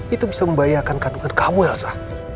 itu bisa membahayakan kandungan kamu elsa